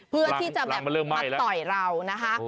เพื่อที่จะแบบมาต่อยเรานะคะ